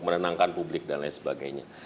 merenangkan publik dan lain sebagainya